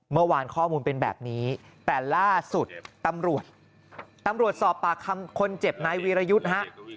เมื่อวานข้อมูลเป็นแบบนี้แต่ล่าสุดตำรวจตำรวจสอบปากคำคนเจ็บนายวีรยุทธ์ฮะ